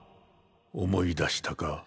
思い出したか？